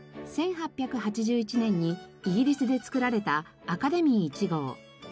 １８８１年にイギリスで作られたアカデミー１号。